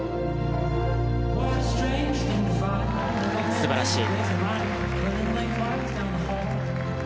素晴らしい。